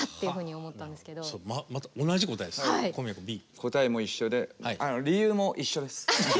答えも一緒で理由も一緒です。